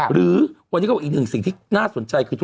หรือวันนี้ก็บอกอีกหนึ่งสิ่งที่น่าสนใจคือ